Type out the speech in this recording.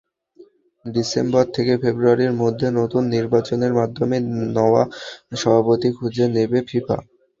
December থেকে ফেব্রুয়ারির মধ্যে নতুন নির্বাচনের মাধ্যমে নয়া সভাপতি খুঁজে নেবে ফিফা।